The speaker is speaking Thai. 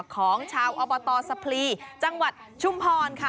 ของชาวอบตสะพลีจังหวัดชุมพรค่ะ